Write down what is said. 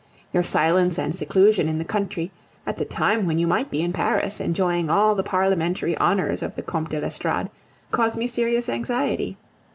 Your silence and seclusion in the country, at the time when you might be in Paris enjoying all the Parliamentary honors of the Comte de l'Estorade, cause me serious anxiety.